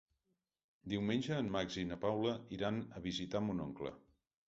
Diumenge en Max i na Paula iran a visitar mon oncle.